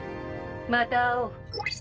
また会おう。